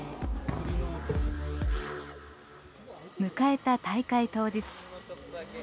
迎えた大会当日。